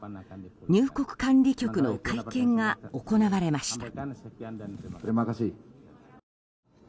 入国管理局の会見が行われました。